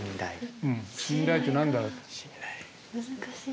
信頼って何だろう？